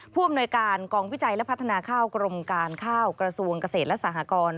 ผู้อำนวยการกองวิจัยและพัฒนาข้าวกรมการข้าวกระทรวงเกษตรและสหกร